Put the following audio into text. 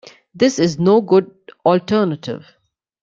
This no good alternative.